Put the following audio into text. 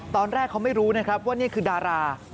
ตอนแรกเขาไม่รู้นะครับว่านี่คือดารา